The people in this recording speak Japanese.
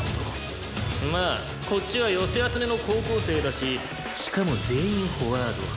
「まあこっちは寄せ集めの高校生だししかも全員フォワード」